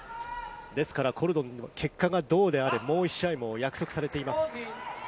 ですから、コルドンの結果がどうであれ、もう１試合、約束されています。